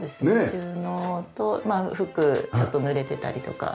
収納と服ちょっとぬれてたりとかする時に。